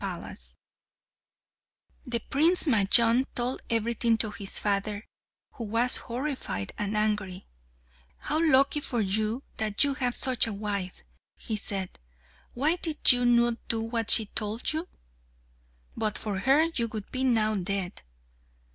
[Illustration: How Loving Laili became young again] There Prince Majnun told everything to his father, who was horrified and angry. "How lucky for you that you have such a wife," he said. "Why did you not do what she told you? But for her, you would be now dead."